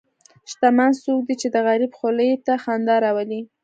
شتمن څوک دی چې د غریب خولې ته خندا راولي.